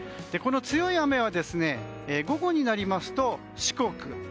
この強い雨は、午後になりますと四国